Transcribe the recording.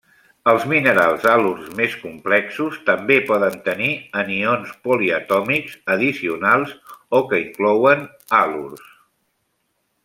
Els minerals halurs més complexos també poden tenir anions poliatòmics addicionals o que inclouen halurs.